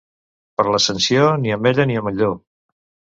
Per l'Ascensió, ni ametlla ni ametlló.